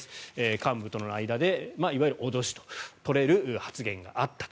幹部との間で、いわゆる脅しと取れる発言があったと。